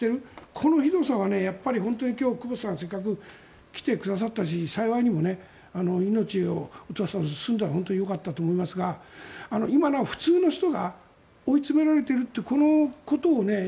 このひどさはやっぱり今日、久保田さんせっかく来てくださったし幸いにも命を落とさず済んだのは本当によかったと思いますが今なお、普通の人が追い詰められているというこのことを。